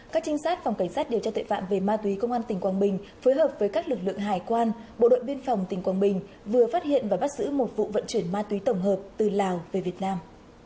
các trinh sát phòng cảnh sát điều tra tội phạm về ma túy công an tỉnh quảng bình phối hợp với các lực lượng hải quan bộ đội biên phòng tỉnh quảng bình vừa phát hiện và bắt giữ một vụ vận chuyển ma túy tổng hợp từ lào về việt nam